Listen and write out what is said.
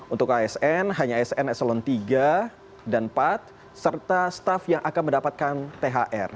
untuk asn hanya asn eselon tiga dan empat serta staff yang akan mendapatkan thr